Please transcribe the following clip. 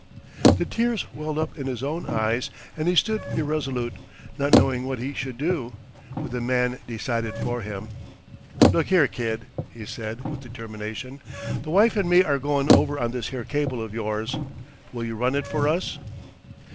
The tears welled up in his own eyes, and he stood irresolute, not knowing what he should do. But the man decided for him. "Look here, kid," he said, with determination, "the wife and me are goin' over on this here cable of yours! Will you run it for us?"